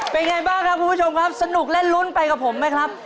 เป็นไงบ้างครับคุณผู้ชมครับสนุกและลุ้นไปกับผมไหมครับ